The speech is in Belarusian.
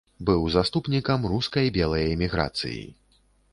Быў заступнікам рускай белай эміграцыі.